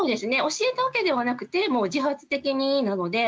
教えたわけではなくて自発的になので。